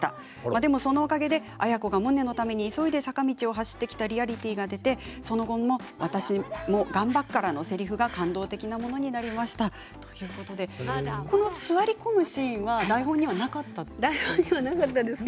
でもそのおかげで亜哉子がモネのために急いで坂道を走ってきたリアリティーが出てその後の私も頑張っからのせりふが感動的なものになりましたということで座り込むシーンは台本になかったんですね。